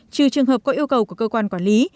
trừ trường hợp có yêu cầu của cơ quan quản lý